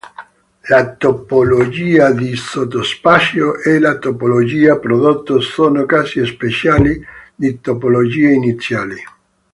La topologia di sottospazio e la topologia prodotto sono casi speciali di topologie iniziali.